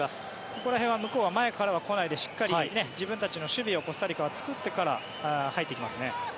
ここら辺は向こうは前から来ないでしっかり自分たちの守備をコスタリカは作ってから入っていきますね。